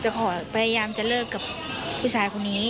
ขอพยายามจะเลิกกับผู้ชายคนนี้